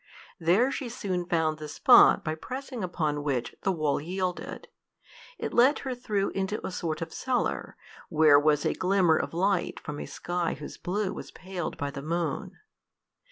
There she soon found the spot by pressing upon which the wall yielded. It let her through into a sort of cellar, where was a glimmer of light from a sky whose blue was paled by the moon.